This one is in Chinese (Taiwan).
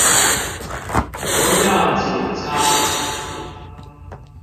不要緊張